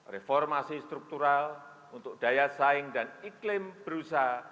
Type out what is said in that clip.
reformasi struktural untuk daya saing dan iklim berusaha